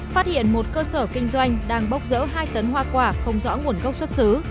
phát hiện một cơ sở kinh doanh đang bốc rỡ hai tấn hoa quả không rõ nguồn gốc xuất xứ